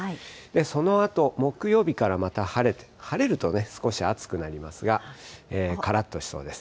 そのあと木曜日からまた晴れて、晴れると少し暑くなりますが、からっとしそうです。